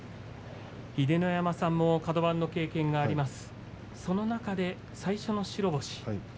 秀ノ山さんもカド番の経験があります、その中で最初の白星